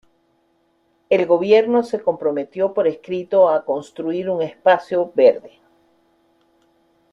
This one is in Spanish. El gobierno se comprometió por escrito a construir un espacio verde.